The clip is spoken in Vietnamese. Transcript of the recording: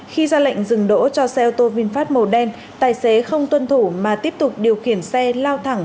khi ra lệnh dừng đỗ cho xe ô tô vinfast màu đen tài xế không tuân thủ mà tiếp tục điều khiển xe lao thẳng